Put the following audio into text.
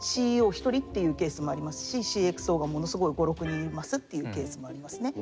一人っていうケースもありますしＣｘＯがものすごい５６人いますっていうケースもありますね。